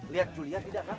lihat julia tidak kang